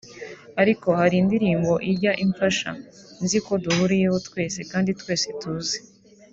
ariko hari indirimbo ijya imfasha nzi ko duhuriyeho twese kandi twese tuzi